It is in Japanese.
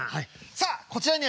「さあこちらにはですね